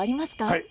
はい。